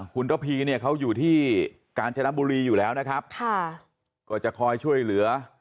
คุณระพีเนี่ยเขาอยู่ที่กาญจนบุรีอยู่แล้วนะครับค่ะก็จะคอยช่วยเหลือ